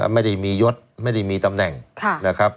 ไม่ได้มียศไม่ได้มีตำแหน่ง